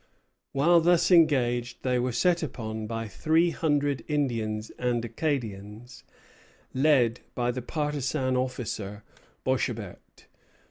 While thus engaged, they were set upon by three hundred Indians and Acadians, led by the partisan officer Boishébert.